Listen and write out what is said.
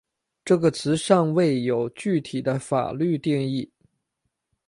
这个词尚未有具体的法律定义。